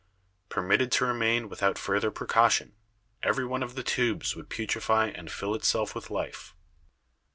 Permitted to remain without further precaution, every one of the tubes would putrefy and fill itself with life.